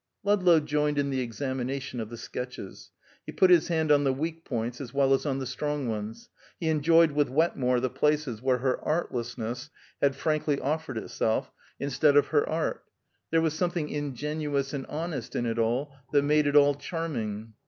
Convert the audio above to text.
Ludlow joined in the examination of the sketches. He put his hand on the weak points as well as on the strong ones; he enjoyed with Wetmore the places where her artlessness had frankly offered itself instead of her art. There was something ingenuous and honest in it all that made it all charming.